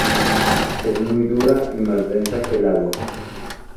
Es muy dura y más densa que el agua.